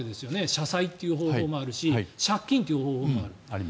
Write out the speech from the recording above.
社債という方法もあるし借金という方法もある。